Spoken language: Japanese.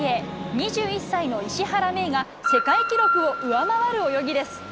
２１歳の石原愛依が、世界記録を上回る泳ぎです。